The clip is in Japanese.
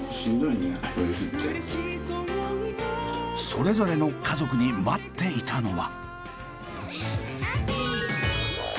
それぞれの家族に待っていたのは？